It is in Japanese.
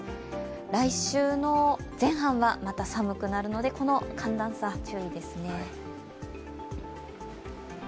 来週の前半はまた寒くなるのでこの寒暖差、注意ですね。